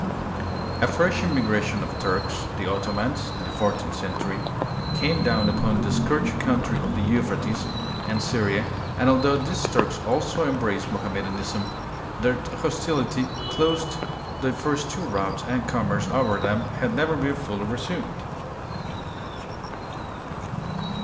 A fresh immigration of Turks, the Ottomans, in the fourteenth century came down upon the scourged country of the Euphrates and Syria, and although these Turks also embraced Moham medanism, their hostility closed the first two routes and commerce over them has never been fully resumed.